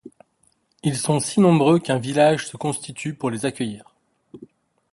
Ils sont si nombreux qu’un village se constitue pour les accueillir.